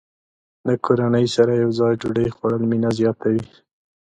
د کورنۍ سره یوځای ډوډۍ خوړل مینه زیاته وي.